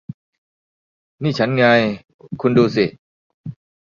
นี่ฉันไง คุณดูสิ